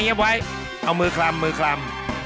เอามือคลำ